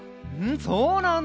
そうなんだ！